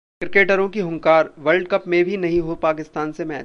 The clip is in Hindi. क्रिकेटरों की हुंकार- वर्ल्ड कप में भी नहीं हो पाकिस्तान से मैच